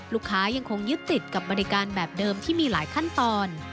ยังคงยึดติดกับบริการแบบเดิมที่มีหลายขั้นตอน